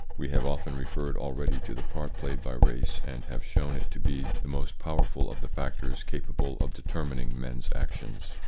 We have often referred already to the part played by race, and have shown it to be the most powerful of the factors capable of determining men's actions.